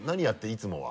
いつもは。